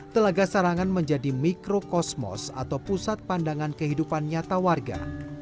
telaga sarangan menjadi mikrokosmos atau pusat pandangan kehidupan nyata warga